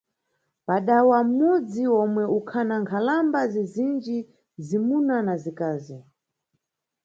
Padawa m`mudzi, omwe ukhana nkhalamba zizinji, zimuna na zikazi.